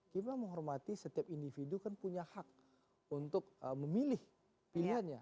kita menghormati setiap individu kan punya hak untuk memilih pilihannya